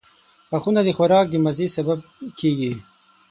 • غاښونه د خوراک د مزې سبب کیږي.